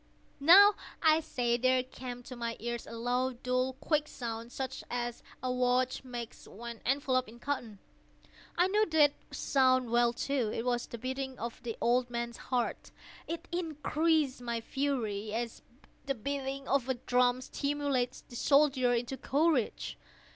—now, I say, there came to my ears a low, dull, quick sound, such as a watch makes when enveloped in cotton. I knew that sound well, too. It was the beating of the old man's heart. It increased my fury, as the beating of a drum stimulates the soldier into courage.